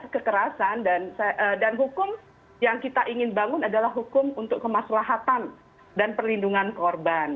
kekerasan dan hukum yang kita ingin bangun adalah hukum untuk kemaslahatan dan perlindungan korban